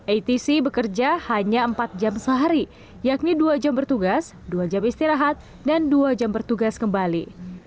atc bekerja hanya empat jam sehari yakni dua jam bertugas dua jam istirahat dan dua jam bertugas kembali